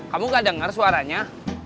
kamu gak dengar suaranya